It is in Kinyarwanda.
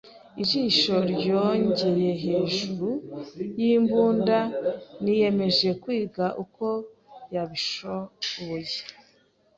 ijisho ryongeye hejuru yimbunda, niyemeje kwiga uko yabishoboye